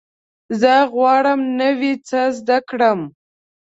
زه غواړم نوی څه زده کړم.